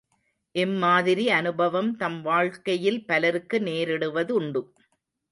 இம்மாதிரி அனுபவம் தம் வாழ்க்கையில் பலருக்கு நேரிடுவதுண்டு.